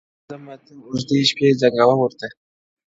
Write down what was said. زه درڅخه ځمه ته اوږدې شپې زنګوه ورته-